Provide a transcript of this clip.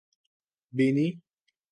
بینی